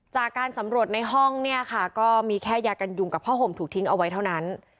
จากการสำรวจในห้องเนี่ยค่ะก็มีแค่ยากันยุงกับผ้าห่มถูกทิ้งเอาไว้เท่านั้น